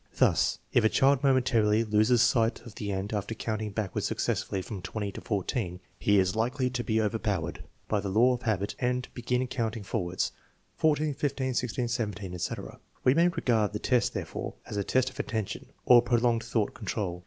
Thus, if a child momentarily loses sight of the end after counting back wards successfully from 20 to 14, he is likely to be over powered by the law of habit and begin counting forwards, 14 15 16 17, etc. We may regard the test, therefore, as a test of attention, or prolonged thought control.